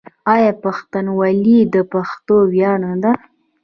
آیا پښتونولي د پښتنو ویاړ نه ده؟